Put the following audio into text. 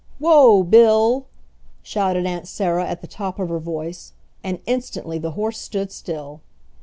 "Whoa, Bill!" shouted Aunt Sarah at the top of her voice, and instantly the horse stood still.